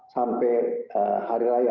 sampai hari raya